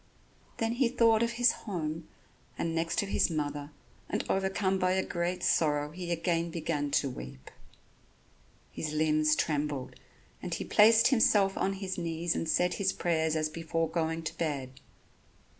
Then he thought of his home and next of his mother, and overcome by a great sorrow he again began to weep. His limbs trembled; and he placed himself on his knees and said his prayers as before going to bed.